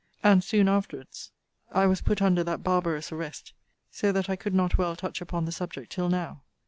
And, soon afterwards, I was put under that barbarous arrest; so that I could not well touch upon the subject till now.